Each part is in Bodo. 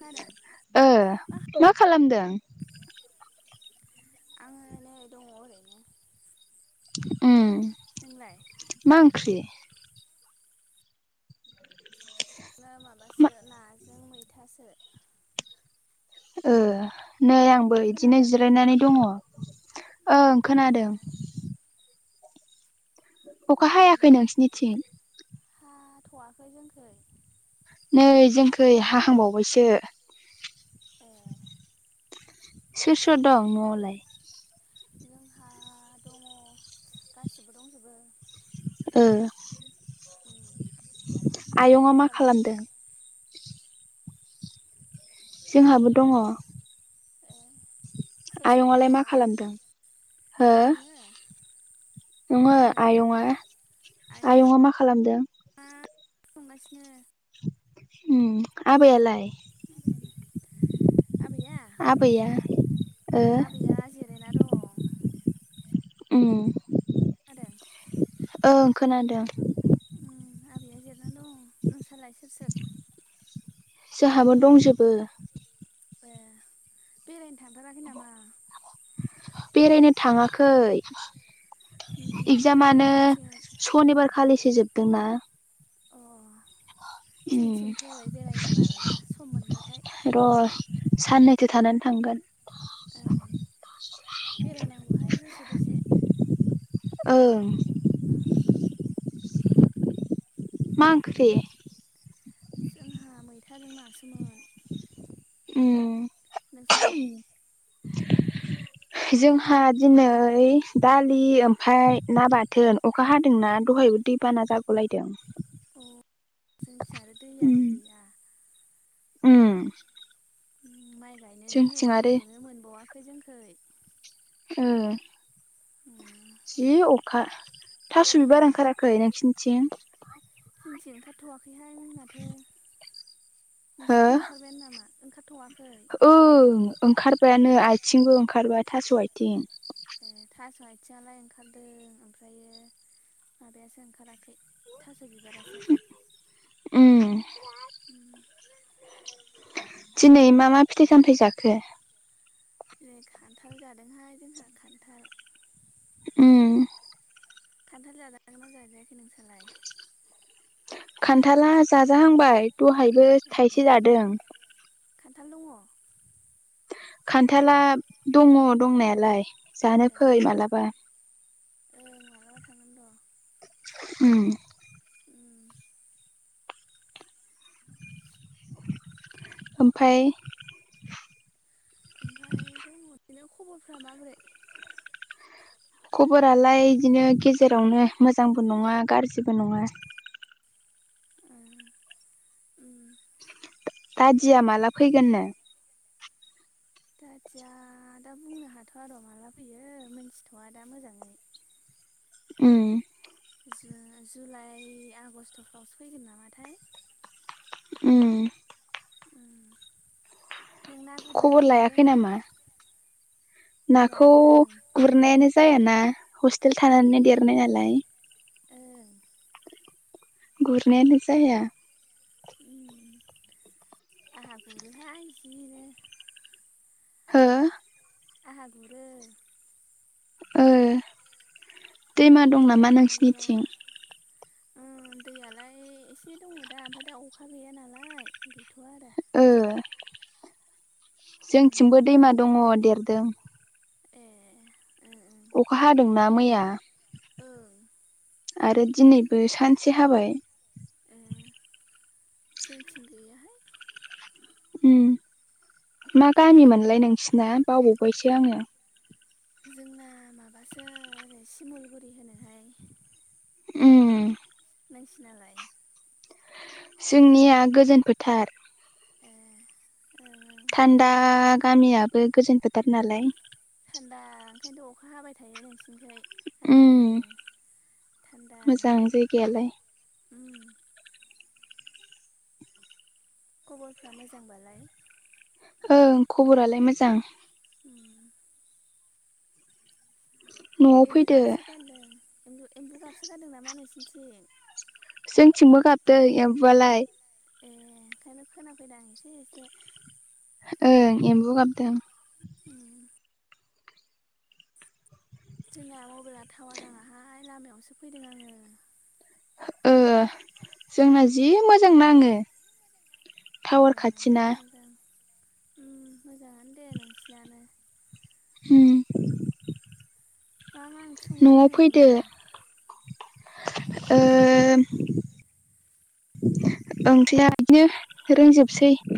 खोनादों ओ मा खालामदों? [unintelligible] उ नोंलाय मा ओंख्रि? बिदिनो मा माबासो नाजों मैथासो। ओ नै आंबो इदिनो खोनादों जिरायनानै दङ ओं अ खोनादों। अखा उम हायाखै नोंसिनिथिं? [unintelligible] नै जोंखै हाहांबावबायसो। ए सोर सोर दं नआवलाय जोंहा दं गासिबो दंजोबो। ओ उम आयंआ मा नोंसालाय खालामदों? जोंहाबो दङ। ए सोर सोर आयंआलाय मा दङबा खालामदों हो आङो ओंहो आङो आयंआ आयंआ मा खालामदों? संगासिनो। उ आबैआलाय। उम आबैया आबैया ओ आबैया जिरायना दं। उम [unintelligible] ओं खोनादों। आबैया जिरना दङ नोंसालाय सोर सोर? जोंहाबो दंजोबो। ए बेरायनो थांथाराखै नामा? बेरायनो थाङाखै। उम फै इगजामानो जोंथिं सनिबार खालिसो जोबगोनना। जोंथिं फै बेरायनो मालाबा सम मोनबाथाय। साननैथो थानानै थांगोन। ओं बेरायनांगौहाय दसे दसे। ओं उम मा ओंख्रि? जोंहा मैथाजों नासोमोन। उम नोंसालाय। [unintelligible] जोंहा दिनै दालि ओमफाय ना बाथोन अखा हादोंना दहायब। दैबाना जागुलायदों। अ जोंथिं आरो दैयानो उम गैया। उम। माइ गायनोनो नै जोंथिं आरो दैखौनो मोनबावाखै जोंखै? ओ। उम। जि अखा। थास' ए बिबार ओंखाराखै नोंसिनिथिं? जोंथिं हो नोंसिथिं ओंखारबायानो नामा ओंखारथ'वाखै। बायानो आयथिंबो ओंखारबाय थास' आयथिं ओ थास' आयथिङालाय ओंखारदों ओमफ्रायो माबायासो ओंखाराखै थास' बिबारासो उम दिनै मा मा फिथाइ सामथाइ जाखो जिरै खान्थाल जादोंहाय जोंहा खान्थाल उम खान्थाल जाजागोन ना जाजायाखै नोंसालाय खान्थाला जाजाहांबाय दहायबो ए थाइसे जादों खान्थाल दङ खान्थाला दङ दंनायालाय जानो ए फै मालाबा ओं मालाबा थांगोन र' उम उम ओमफाय बेनिया खबरफ्रा माबोरै खबरालाय इदिनो गेजेरावनो मोजांबो नङा गारजिबो नङा उम दादिया माला फैगोननो दथिया दा बुंनो हाथ'वा र' माला फैयो मोनथिथ'वा दा मोजाङै उम। जुन जुलाइ आगस्ट'फ्रावसो फैगोन नामाथाय उम उम। खबर लायाखै नामा नाखौ लादों गुरनायानो जायाना हस्टेल थानानै ए देरनाय नालाय ओं गुरनायानो जाया आहा गुरोहाय जि नो हो? आहा गुरो। ओ दैमा दं नामा नोंसिनिथिं? ओ दैयालाय एसे दङ' दा ओमफाय दा अखा गैया नालाय थ'आरो। ओ उम जोंथिंबो दैमा दङ' देरदों। ए ओ अखा हादोंना मैया। ओ ओं आरो दिनैबो सानसे हाबाय। ए जोंथिं गैयाहाय। मा गामि मोनलाय नोंसिना बावबावबायसो आङो। जोंना माबासो ओरै सिमलगुरि होनोहाय उम नोंसि नालाय जोंनिया गोजोन फोथार ए ओं ओं थान्दा गामियाबो गोजोन फोथार नालाय थान्दा ओंखायनोथ' अखा हाबाय थायो नोंस ओमफ्राय उम आरामनो थान्दा मोजां नालाय जायगायालाय उम खबरफ्रा मोजांबालाय ओं खबरालाय मोजां न'आव एम्बु फैदो गाबसो गारदों एम्बु गाबसो गारदों नामा नोंसनिथिं जोंथिंबो गाबदों एम्बुआलाय ए ओंखायनो खोनाफैद आं एसे एसे ओ एमबो गाबदों उ जोंना मबाइला टावार नाङाहाय लामायावसो फैदों आङो उम जोंना जि मोजां मोजां नाङो ए टावार खाथिना मोजां मोजाङानो दे नोंसिनानो उम मा मा ओंख्रि संनो न'आव रोङो फैदो नोंलाय थांगोन ओमफ्राय्रिया रोंजोबसै औ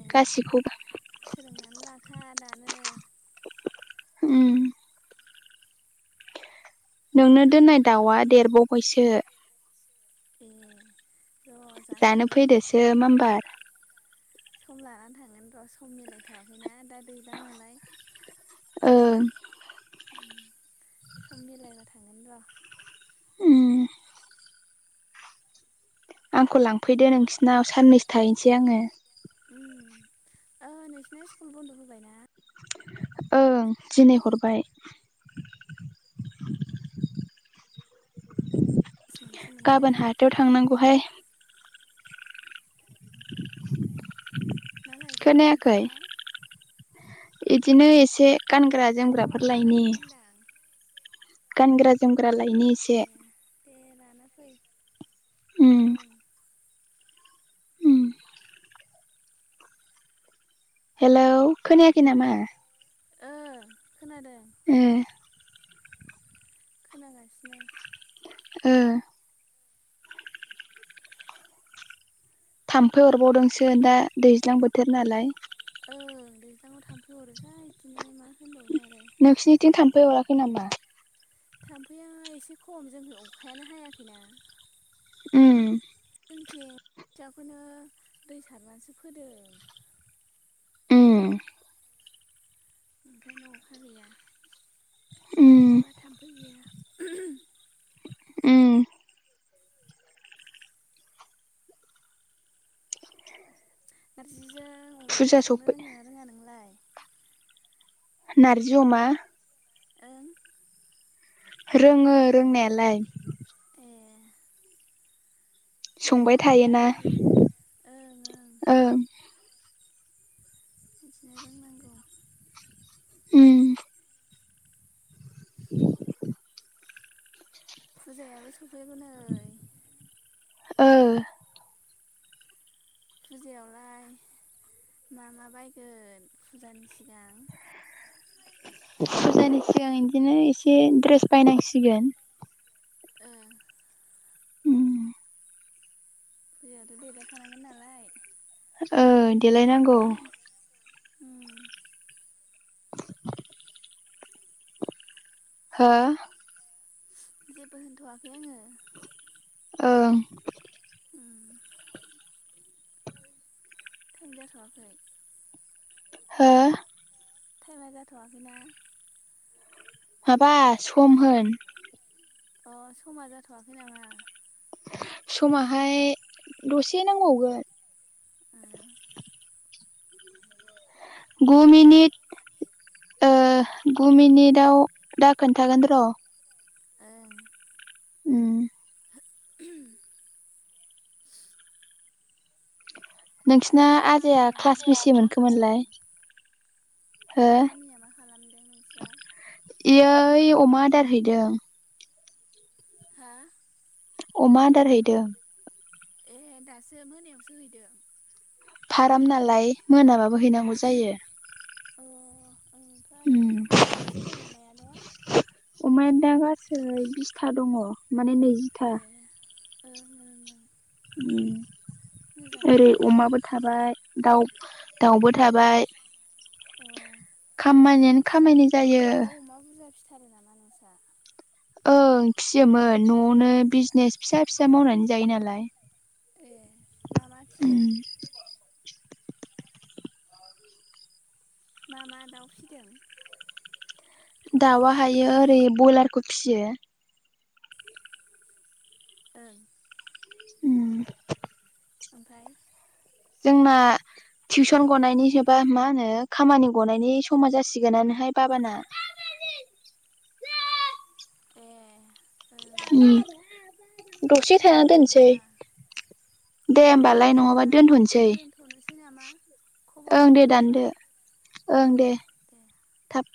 ए सोलोंनानै लाखा दा उम नोंनो दोननाय दाउआ देरबावबायसो ए र' जानो थांगोन फैदोसो माबार सम लानानै थांगोन र' सम मिलायथ'वाखैना दा दैलां नालाय ओं सम मिलायना थांगोन र' उम आंखौ लांफैदो नोंसिनाव साननैसो थाहैनोसै आङो औ नोंसिना स्कुल बन्द' होबायनाा ओं दिनैहरबाय मास मोनसे मोनबाय गाबोन हाथायाव थांनांगौहाय मालायगोनहाय हाथायावलाइ बिदिनो एसे गानग्रा - हाथायाव जोमग्राफोर मा लायनि लायगोन होनदां गानग्रा - जोमग्रा लायनो एसे ए दे लाना फै उय ओं हेलौ खोनायाखै नामा ओं खोनादों ओ खोनागासिनो ओ थाम्फै हरबावदोंसो दा दैज्लां बोथोर नालाय ओं दैज्लांआव थांफैहहाय बिदिनो मा होनबावनो आरो नोंसिरनिथिं थाम्फैअराखै नामा थाम्फैया एसे खम जों अखायानो हायाखैना उम जोंथिं खोथियाखौनो दै सारनानैसो फोदों उम ओंखायनो अखा गैया उम माबा थाम उम नारजिजों फुजा अमाजों संनो सफै रोंङो ना रोङा नोंलाय? नारजि अमा? ओं। रोङो रोंनायालाय। ए संबाय रोंनांगौहाय थायोना इदिनो ओं ओं। इदिनो रोंनांगौ। उम। फुजायाबो सौफैयागोन। ओ। फुजायावलाय मा मा बायगोन फुजानि सिगां? फुजानि सिगां इदिनो एसे ड्रेस बायनांसिगोन। ओ। उम। फुजायावथ' देलायखानांगोन नालाय। ओ देलायनांगौ। उम [inaudible] हो? जेबो होनथ'वाखै आङो। ओं। उम टाइम जाथ'वाखै। हो? थाइमा जाथ'आखैना। माबा सम होन। अ समा जाथ'वाखै नामा? समाहाय दसे नांबावगोन। ओ गु मिनिट ओ गु मिनिदाव दा खोन्थागोन र'। ओं उम। नोंसिना नोंस्रा आजाया मामिया क्लास मा बिसि मा खालामदों? मोनखोमोनलाय? हो मामिया मा खालामदों नोंस्रा? ओइ अमा आदार हैदों। हा अमा आदार हैदों। एह दासो मोनायावसो हैदों? फाराम नालाय मोनाबाबो हैनांगौ जायो। अ ओंथ' आरो, उम माबैसे दं अमायानो? अमाया दा गासै बिसथा दङ माने नैजिथा। ए ओं ओं ओं उम ओरै मोजाङानो दे। अमाबो थाबाय, दाउ दाउबो थाबाय, अ खाम्मानियानो खामानि जायो। फानो नामा नोंसा? ओं फियोमोन न'आवनो बिजनेस फिसा फिसा मावनानै जायो नालाय। ए मा मा उम फिदों? मा मा दाउ फिदों? दाउआ हायो ओरै बयलारखौ फियो। ओं। उम। ओमफाय जोंना टिउसन गनायनि एबा मा होनो खामानि गनायनि समा जासिगोनानोहाय बाबाना। [unintelligible] ए ओं ओम दसे सोरबा थाना फैदों दोनसै। नामा? दे होमबालाय नङाबा दोनथसै। [unintelligible] खबरा ओं दे मोजांबा? दानदो ओं दे थाब।